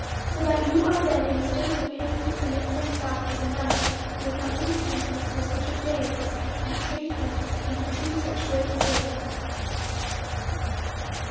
So that you are then in the state of him who commits himself to the night without the repentance for such a day, as had betrayed him into two such great sins.